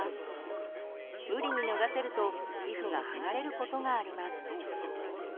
無理に脱がせると皮膚が剥がれることがあります。